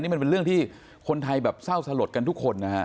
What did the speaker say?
มันเป็นเรื่องที่คนไทยแบบเศร้าสลดกันทุกคนนะฮะ